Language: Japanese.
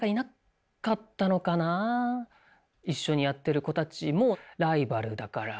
一緒にやってる子たちもライバルだから。